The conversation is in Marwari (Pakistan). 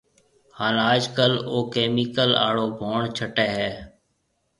هانَ آج ڪل او ڪَمِيڪل آݪو ڀوڻ ڇٽيَ هيَ۔